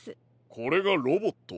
これがロボット。